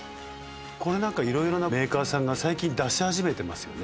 これ何かいろいろなメーカーさんが最近出し始めてますよね。